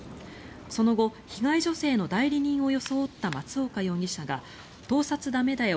その後、被害女性の代理人を装った松岡容疑者が盗撮駄目だよ